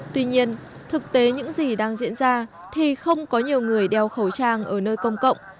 tuy nhiên thực tế những gì đang diễn ra thì không có nhiều người đeo khẩu trang ở nơi công cộng